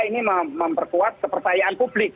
ini memperkuat kepercayaan publik